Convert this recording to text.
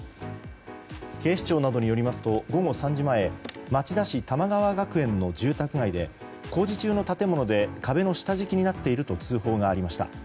警視庁などによりますと午後３時前町田市玉川学園の住宅街で工事中の建物で壁の下敷きになっていると通報がありました。